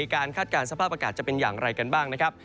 คาดการณ์สภาพอากาศจะเป็นอย่างไรกันบ้างนะครับ